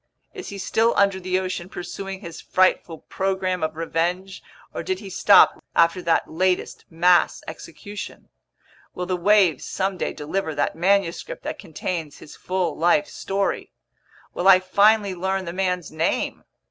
Is he still under the ocean pursuing his frightful program of revenge, or did he stop after that latest mass execution? Will the waves someday deliver that manuscript that contains his full life story? Will I finally learn the man's name?